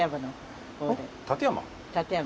・館山？